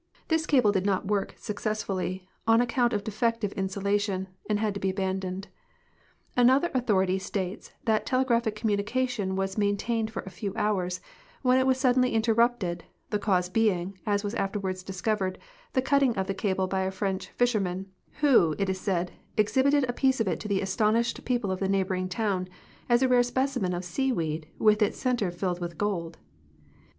This cable did not work successfully, on account of defective in sulation, and had to be aljandoned. Another authority states that telegraphic communication was maintained for a few hours, Avhen it Avas suddenly interrupted, the cause being, as AA'as after Avards discovered, the cutting of the cable by a French fisher man, who, it is said, exhibited a piece of it to the astonished })eoj)le of a neighl)oring town as a rare specimen of sea Aveed Avith its center filled Avith gold.